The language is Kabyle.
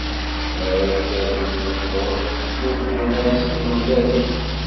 Mi ara d-terbu tmeṭṭut, ttmuddun-as timellalin.